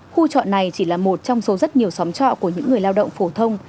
khu trọ này chỉ là một trong số rất nhiều xóm trọ của những người lao động phổ thông